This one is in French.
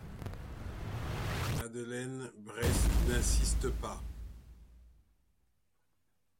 Madeleine Brès n'insiste pas.